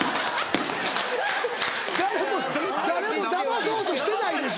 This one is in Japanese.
大丈夫誰もだまそうとしてないです。